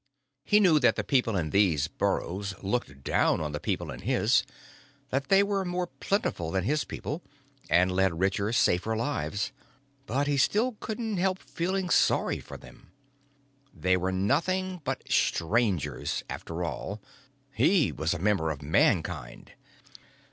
He knew that the people in these burrows looked down on the people in his, that they were more plentiful than his people, and led richer, safer lives but he still couldn't help feeling sorry for them. They were nothing but Strangers, after all. He was a member of Mankind.